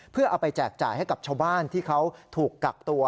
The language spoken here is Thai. เพื่อเอาไปแจกจ่ายให้กับชาวบ้านที่เขาถูกกักตัว